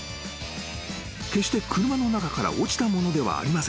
［決して車の中から落ちたものではありません］